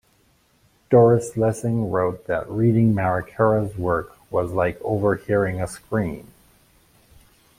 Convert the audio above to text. Doris Lessing wrote that reading Marechera's work was "like overhearing a scream".